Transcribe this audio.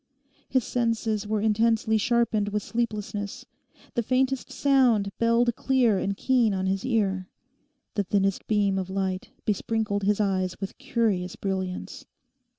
His senses were intensely sharpened with sleeplessness. The faintest sound belled clear and keen on his ear. The thinnest beam of light besprinkled his eyes with curious brilliance.